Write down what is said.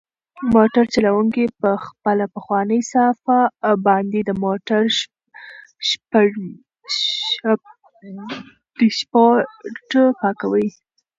موټر چلونکی په خپله پخوانۍ صافه باندې د موټر ډشبورډ پاکوي.